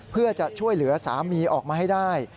เพื่อจะช่วยเหลือสามีออกมาให้ได้